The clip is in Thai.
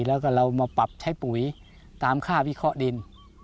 แล้วก็เรามาปรับใช้ปุ๋ยตามค่าวิเคราะห์ดิน